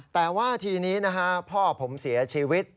แต่ว่าทีนี้นะฮะพ่อผมเสียชีวิต